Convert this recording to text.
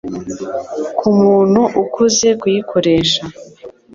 ku muntu ukuze kuyikoresha